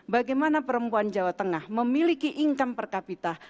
bagaimana perempuan jawa tengah memiliki income per kapita